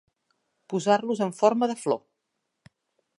Posar-los en forma de flor.